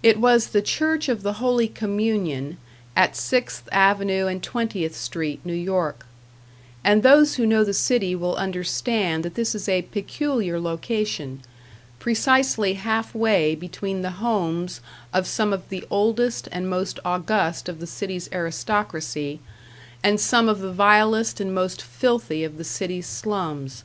It was the Church of the Holy Communion, at Sixth Avenue and Twentieth Street, New York; and those who know the city will understand that this is a peculiar location precisely half way between the homes of some of the oldest and most august of the city's aristocracy, and some of the vilest and most filthy of the city's slums.